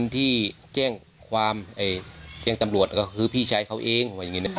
ที่แก่งความเอ่ยแก้งตำลัวจะคือพี่ชายเขาเองว่าอย่างงี้น่ะ